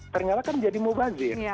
ternyata kan jadi mubazir